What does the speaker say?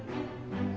うん。